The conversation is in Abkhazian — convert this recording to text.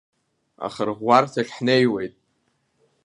Ахырӷәӷәарҭахь ҳнеиуеит.